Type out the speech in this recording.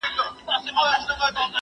زه اوس اوبه پاکوم،